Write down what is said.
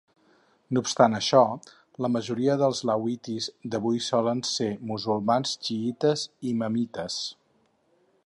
No obstant això, la majoria dels lawatis d'avui solen ser musulmans xiïtes imamites.